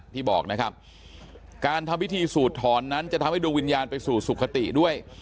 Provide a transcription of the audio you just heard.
ที่บอกนะครับการทำพิธีสูดถอนนั้นจะทำให้ดวงวิญญาณไปสู่สุขติด้วย